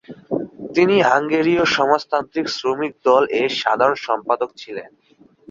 তিনি হাঙ্গেরীয় সমাজতান্ত্রিক শ্রমিক দল এর সাধারণ সম্পাদক ছিলেন।